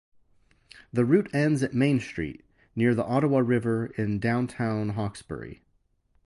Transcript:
The route ends at Main Street, near the Ottawa River in downtown Hawkesbury.